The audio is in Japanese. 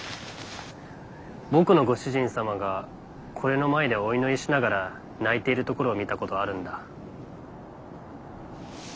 僕のご主人様がこれの前でお祈りしながら泣いているところを見たことあるんだ。